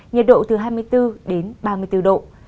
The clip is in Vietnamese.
nhiệt độ từ hai mươi bốn đến ba mươi bốn độ